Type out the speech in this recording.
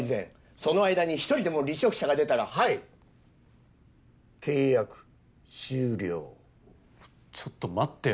その間に１人でも離職者が出たらはい契約終了ちょっと待ってよ